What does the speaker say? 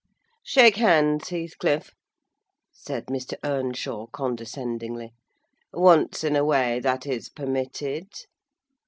"Shake hands, Heathcliff," said Mr. Earnshaw, condescendingly; "once in a way, that is permitted."